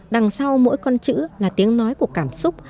đằng sau mỗi con chữ là tiếng nói của cảm xúc